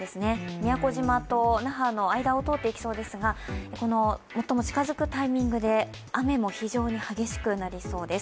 宮古島と那覇の間を通っていきそうですが最も近づくタイミングで雨も非常に激しくなりそうです。